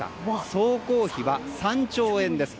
総工費は３兆円です。